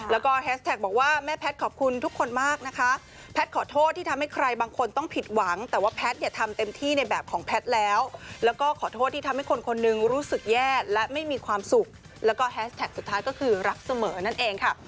แล้วก็ขอโทษที่ทำให้คนคนหนึ่งรู้สึกแย่และไม่มีความสุขแล้วก็แฮสแท็กสุดท้ายก็คือรักเสมอนั่นเองค่ะ